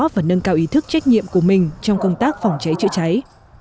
và nâng cao ý thức trách nhiệm của mình trong công tác phòng cháy chữa cháy